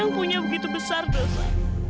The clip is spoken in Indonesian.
yang punya begitu besar dosa